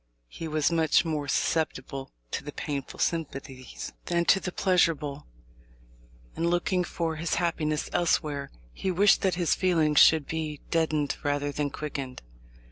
He was much more susceptible to the painful sympathies than to the pleasurable, and, looking for his happiness elsewhere, he wished that his feelings should be deadened rather than quickened.